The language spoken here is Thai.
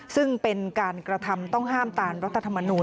ซึ่งเป็นการกระทำต้องห้ามตามรัฐธรรมนูล